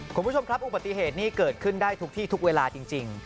คุณผู้ชมครับอุบัติเหตุนี้เกิดขึ้นได้ทุกที่ทุกเวลาจริง